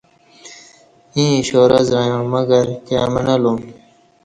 ییں اشارہ زعݩیا مگر کائ مݨہ لُوم